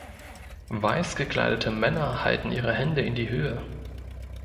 Weiß gekleidete Männer halten ihre Hände in die Höhe.